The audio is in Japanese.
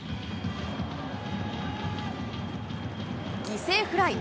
犠牲フライ。